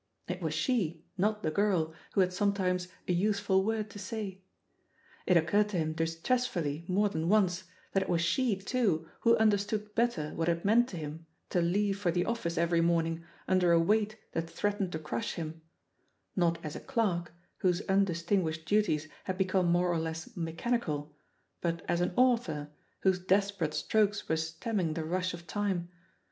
It was she, not the girl, who had sometimes a useful word to say. It occurred to him distressfully more than once that it was she, too, who understood better what it meant to him to leave for the office every morn ing imder a weight that threatened to crush him — ^not as a clerk, whose undistinguished duties had become more or less mechanical, but as an yHE POSITION OF PEGOY HARPER 188 author whose desperate strokes were stemming the rush of time.